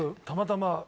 たまたま